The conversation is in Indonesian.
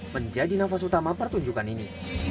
menjadi nafas utama pertunjukan ini